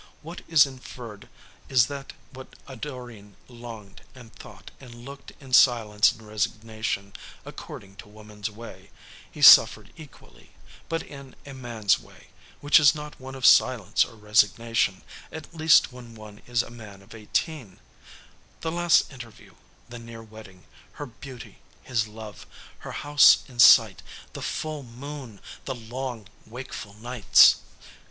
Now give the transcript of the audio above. What is inferred is that what Adorine longed and thought and looked in silence and resignation, according to woman's way, he suffered equally, but in a man's way, which is not one of silence or resignation, at least when one is a man of eighteen, the last interview, the near wedding, her beauty, his love, her house in sight, the full moon, the long, wakeful nights.